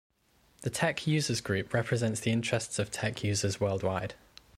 The TeX Users Group represents the interests of TeX users worldwide.